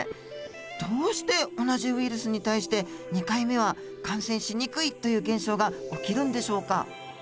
どうして同じウイルスに対して２回目は感染しにくいという現象が起きるんでしょうか？